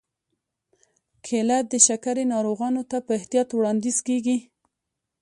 کېله د شکرې ناروغانو ته په احتیاط وړاندیز کېږي.